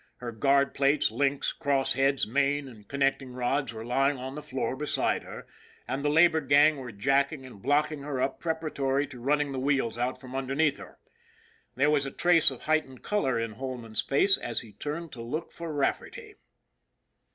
Her guard plates, links, cross heads, main and connecting rods were lying on the floor beside her, and the labor gang were jacking and blocking her up preparatory to running the wheels out from underneath her. RAFFERTY'S RULE 9 There was a trace of heightened color in Holman's face as he turned to look for Rafferty.